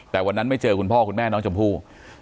แต่วันนั้นไม่เจอคุณพ่อคุณแม่น้องชมพู่